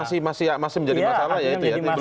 itu masih menjadi masalah ya